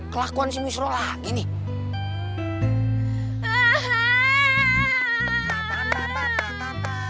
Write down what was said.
kelakuan si wisro lagi nih